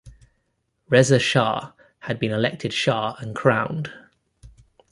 Reza Shah had been elected Shah and crowned.